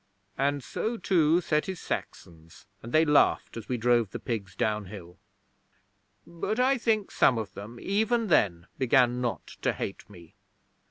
And so, too, said his Saxons; and they laughed as we drove the pigs downhill. But I think some of them, even then, began not to hate me.'